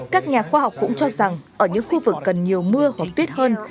các nhà khoa học cũng cho rằng ở những khu vực cần nhiều mưa hoặc tuyết hơn